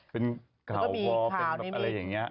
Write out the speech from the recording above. เป็นข่าววอลอะไรอย่างเงี้ย